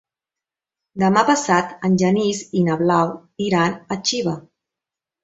Demà passat en Genís i na Blau iran a Xiva.